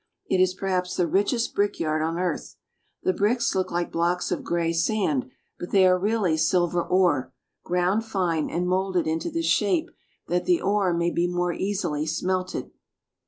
It is perhaps the richest brickyard on earth. The bricks look like blocks of gray sand, but they are really silver ore, ground fine and molded into this shape that the ore may be more easily smelted.